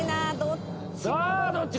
さあどっち？